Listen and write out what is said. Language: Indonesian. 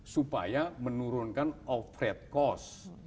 supaya menurunkan off rate cost